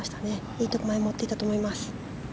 いいところまで打っていったと思います。